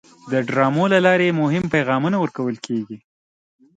د ډرامو له لارې مهم پیغامونه ورکول کېږي.